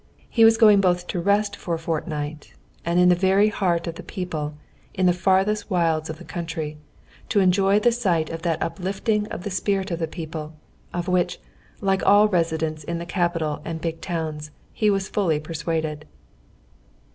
He was going both to rest for a fortnight, and in the very heart of the people, in the farthest wilds of the country, to enjoy the sight of that uplifting of the spirit of the people, of which, like all residents in the capital and big towns, he was fully persuaded.